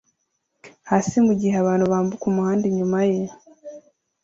hasi mu gihe abantu bambuka umuhanda inyuma ye